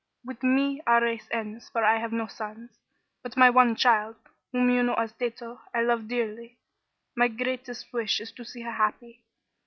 "With me our race ends, for I have no sons. But my one child, whom you know as Tato, I love dearly. My greatest wish is to see her happy.